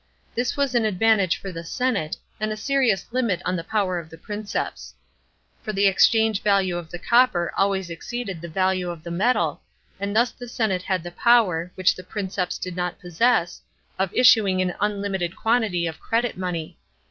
This was an advantage for the senate and a serious limit on the power of the Princeps. For the exchange value of the copper always exceed d the vnlue of the metal, and thus the senate had the power, which the Princeps did not possess, of issuing an .un limited quantity of credit money.